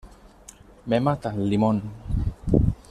Me matan, Limón!